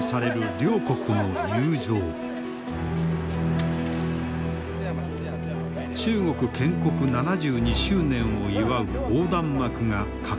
中国建国７２周年を祝う横断幕が掲げられた。